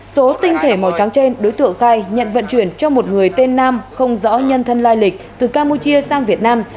số tinh thể màu trắng trên đối tượng khai nhận vận chuyển cho một người tên nam không rõ nhân thân lai lịch từ campuchia sang việt nam